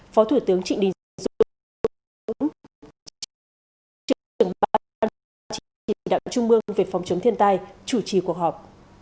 phó thủ tướng trịnh đình dũng chỉ đạo trung mương về phòng chống thiên tai chủ trì cuộc họp